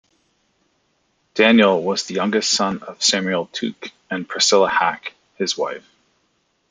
Daniel was the youngest son of Samuel Tuke and Priscilla Hack, his wife.